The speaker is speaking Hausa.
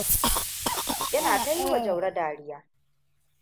Ina ta yiwa Jauroa dariya.